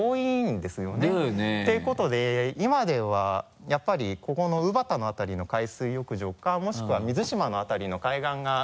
だよね。ということで今ではやっぱりここの鵜畑の辺りの海水浴場かもしくは瑞島の辺りの海岸が。